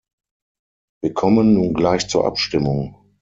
Wir kommen nun gleich zur Abstimmung.